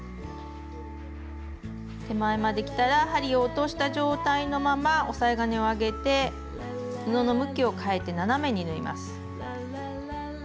手前まできたら針を落とした状態のまま押さえ金を上げて布の向きをかえて斜めに縫います。